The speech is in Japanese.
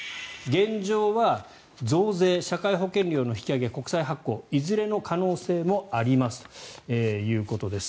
現状は増税社会保険料の引き上げ国債発行のいずれの可能性もありますということです。